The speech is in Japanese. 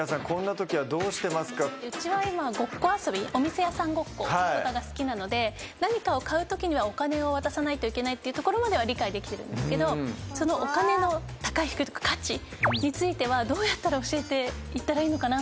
うちは今ごっこ遊びお店屋さんごっこが好きなので何かを買うときにはお金を渡さないといけないっていうところまでは理解できてるんですけどそのお金の高い低いとか価値についてはどうやったら教えていったらいいのかな